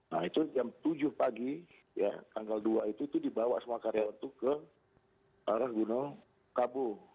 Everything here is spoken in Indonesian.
nah itu jam tujuh pagi tanggal dua itu dibawa semua karyawan itu ke arah gunung kabu